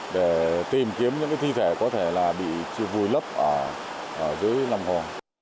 để tìm kiếm những cái thi thể có thể là bị vùi lấp ở dưới lòng hồ